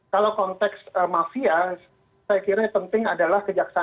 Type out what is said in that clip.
kalau konteks mafia saya kira yang penting adalah kejaksaan